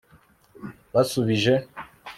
basubije